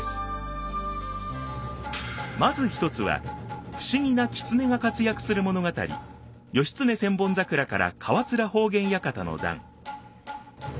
まず一つは不思議な狐が活躍する物語「義経千本桜」から「河連法眼館の段」。